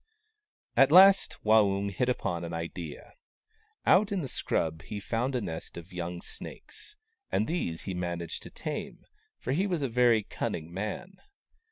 At last Waung hit upon an idea. Out in the scrub he found a nest of young snakes, and these he managed to tame, for he was a very cunning man.